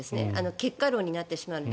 結果論になってしまうので。